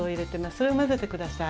それを混ぜて下さい。